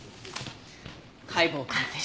解剖鑑定書。